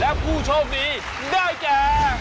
และผู้โชคดีได้แก่